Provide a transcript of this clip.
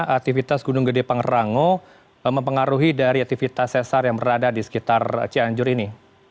aktivitas gunung gede pangrango mempengaruhi dari aktivitas sesar yang berada di sekitar cianjur ini